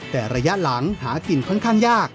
แต่ระยะหลังหากินค่อนข้างยาก